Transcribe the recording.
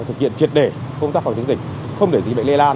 thực hiện triệt để công tác khói chống dịch không để dịch bệnh lê lan